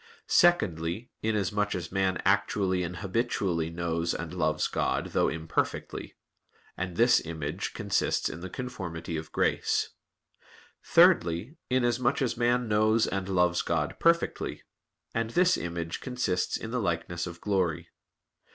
Secondly, inasmuch as man actually and habitually knows and loves God, though imperfectly; and this image consists in the conformity of grace. Thirdly, inasmuch as man knows and loves God perfectly; and this image consists in the likeness of glory.